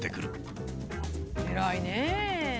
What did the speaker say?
偉いね。